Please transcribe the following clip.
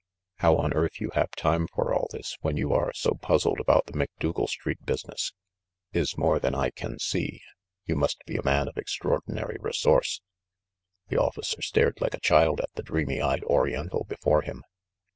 How on earth you have time for all this, when you are so puzzled about the Macdougal Street busi 46 THE MASTER OF MYSTERIES ness, is more than I can see. You must be a man of extraordinary resource." The officer stared like a child at the dreamy eyed Oriental before him.